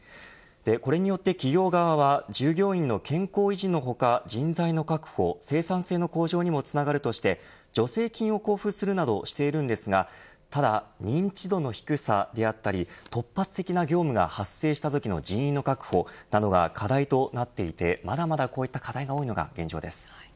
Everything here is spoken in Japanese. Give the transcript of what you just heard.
これによって企業側は従業員の健康維持の他人材の確保生産性の向上にもつながるとして助成金を交付するなどしているんですがただ認知度の低さであったり突発的な業務が発生したときの人員の確保などが課題となっていて、まだまだこういった課題が多いのが現状です。